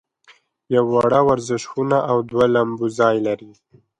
یوه وړه ورزشي خونه او دوه لمباځي لري.